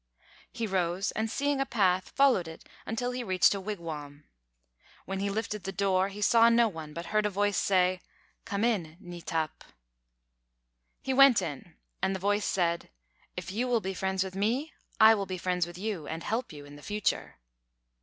He rose, and, seeing a path, followed it until he reached a wigwam. When he lifted the door, he saw no one, but heard a voice say: "Come in, 'nītāp.'" He went in, and the voice said: "If you will be friends with me, I will be friends with you, and help you in the future."